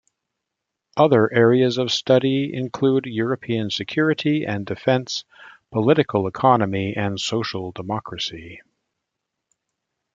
Other areas of study include European security and defence, political economy, and social democracy.